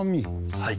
はい。